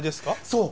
そう！